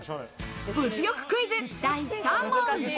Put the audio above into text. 物欲クイズ、第３問。